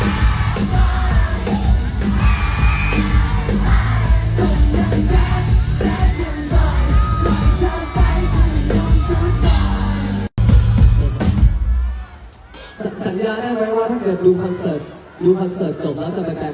เธอไม่เห็นกับผู้ชายแมา่บใจ